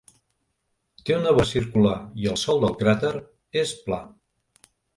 Té una vora circular i el sòl del cràter és pla.